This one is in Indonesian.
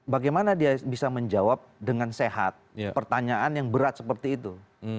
bagaimana dia bisa menjawab dengan sehat pertanyaan yang berat seperti itu